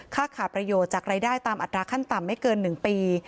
ขาดประโยชน์จากรายได้ตามอัตราขั้นต่ำไม่เกิน๑ปี